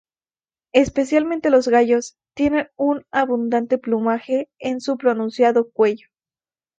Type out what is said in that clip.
Especialmente los gallos tienen un abundante plumaje en su pronunciado cuello.